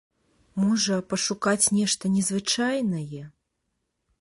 Можа, пашукаць нешта незвычайнае?